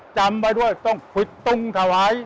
จำไว้ด้วยต้องควิดตุ้งถวาย